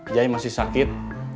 jai masih sakit